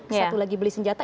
satu lagi beli senjata